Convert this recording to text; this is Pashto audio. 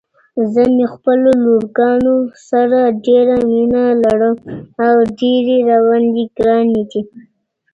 زه مې خپلو لورګانو سره ډيره مينه لرم او ډيرې راباندې ګرانې دي.